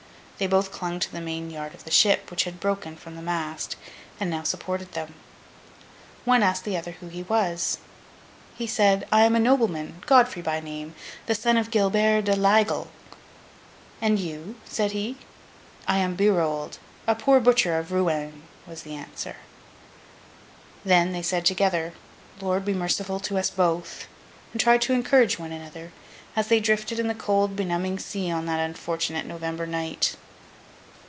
They both clung to the main yard of the ship, which had broken from the mast, and now supported them. One asked the other who he was? He said, 'I am a nobleman, Godfrey by name, the son of Gilbert de l'Aigle. And you?' said he. 'I am Berold, a poor butcher of Rouen,' was the answer. Then, they said together, 'Lord be merciful to us both!' and tried to encourage one another, as they drifted in the cold benumbing sea on that unfortunate November night.